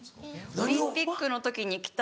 オリンピックの時に着た。